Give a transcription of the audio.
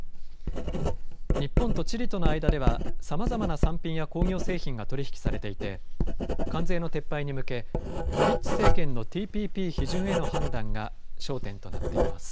日本とチリとの間ではさまざまな産品や工業製品が取り引きされていて関税の撤廃に向けボリッチ政権のＴＰＰ批准への判断が焦点となっています。